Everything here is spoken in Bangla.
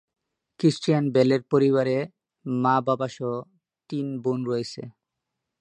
ক্রিশ্চিয়ান বেলের পরিবারে মা-বাবাসহ তিন বোন রয়েছে।